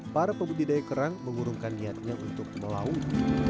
para pembudidaya kerang mengurungkan niatnya untuk melaut